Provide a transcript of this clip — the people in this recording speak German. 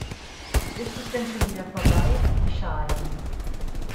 Ist es denn schon wieder vorbei, wie schade.